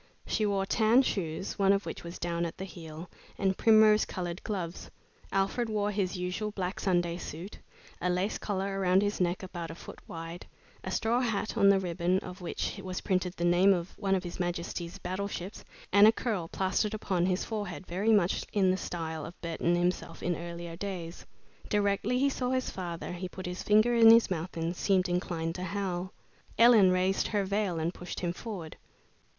She wore tan shoes, one of which was down at the heel, and primrose colored gloves. Alfred wore his usual black Sunday suit, a lace collar around his neck about a foot wide, a straw hat on the ribbon of which was printed the name of one of His Majesty's battleships, and a curl plastered upon his forehead very much in the style of Burton himself in earlier days. Directly he saw his father, he put his finger in his mouth and seemed inclined to howl. Ellen raised her veil and pushed him forward.